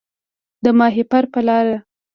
د ماهیپر په لار